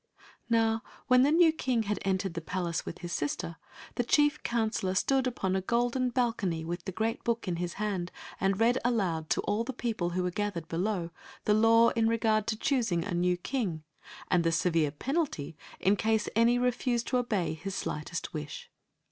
Now when the new king had entered the palace with his sister, the chief counselor stood upon a golden balcony with the great book in his hand, and read aloud, to all the people who were gathered belowt the law in regard to choo^ng a new king, and ^e sevm penalty in case any refused to obey his slightest ^sh.